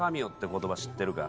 言葉知ってるか？